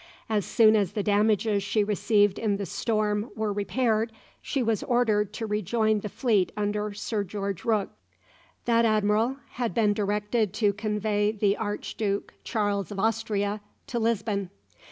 As soon as the damages she received in the storm were repaired, she was ordered to rejoin the fleet under Sir George Rooke. That admiral had been directed to convey the Arch Duke Charles of Austria to Lisbon.